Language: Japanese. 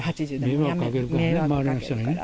迷惑かけるから、周りの人に。